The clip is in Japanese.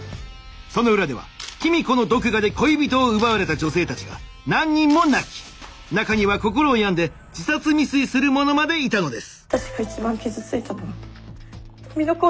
その裏では公子の毒牙で恋人を奪われた女性たちが何人も泣き中には心を病んで自殺未遂する者までいたのです」。